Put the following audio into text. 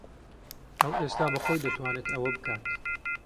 ئەو ئێستا بەخۆی دەتوانێت ئەوە بکات.